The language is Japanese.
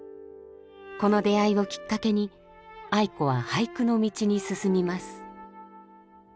この出会いをきっかけに愛子は俳句の道に進みます。